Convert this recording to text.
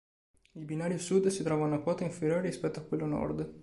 Il binario sud si trova a una quota inferiore rispetto a quello nord.